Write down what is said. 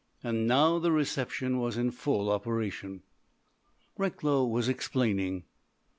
And now the reception was in full operation. Recklow was explaining.